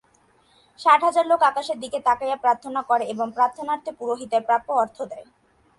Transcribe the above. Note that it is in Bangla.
ষাট হাজার লোক আকাশের দিকে তাকাইয়া প্রার্থনা করে এবং প্রার্থনান্তে পুরোহিতের প্রাপ্য অর্থ দেয়।